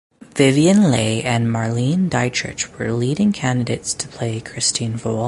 Vivien Leigh and Marlene Dietrich were leading candidates to play Christine Vole.